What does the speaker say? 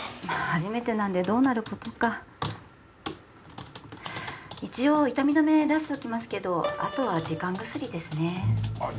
初めてなんでどうなることか一応痛み止め出しておきますけどあとは時間薬ですねあっ